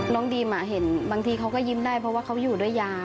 ดีมเห็นบางทีเขาก็ยิ้มได้เพราะว่าเขาอยู่ด้วยยา